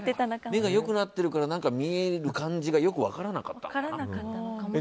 目が良くなってきたから見える感じがよく分からなかったかも。